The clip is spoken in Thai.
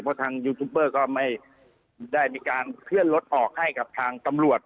เพราะทางยูทูปเบอร์ก็ไม่ได้มีการเคลื่อนรถออกให้กับทางตำรวจ